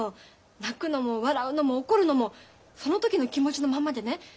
泣くのも笑うのも怒るのもその時の気持ちのまんまでね。